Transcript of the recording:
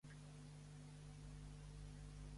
Les patates fregides s